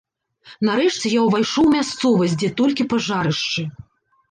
Нарэшце я ўвайшоў у мясцовасць, дзе толькі пажарышчы.